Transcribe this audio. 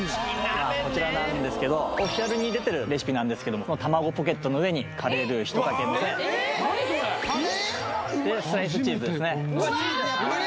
こちらなんですけどオフィシャルに出てるレシピなんですけどたまごポケットの上にカレールウ１かけ入れて何それ！？でスライスチーズですね・うわーっ！